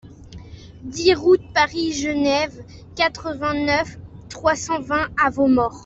dix route Paris-Genève, quatre-vingt-neuf, trois cent vingt à Vaumort